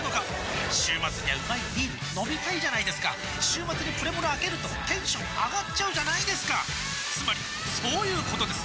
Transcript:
週末にはうまいビール飲みたいじゃないですか週末にプレモルあけるとテンション上がっちゃうじゃないですかつまりそういうことです！